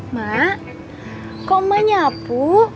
mak kok menyapu